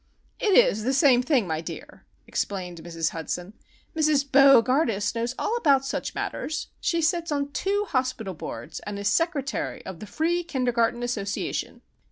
"It is the same thing, my dear," explained Mrs. Hudson. "Mrs. Bo gardus knows all about such matters. She sits on two hospitals boards, and is Secretary of the Free Kindergarten Association."